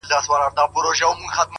خو په هیڅ درمل یې سوده نه کېدله -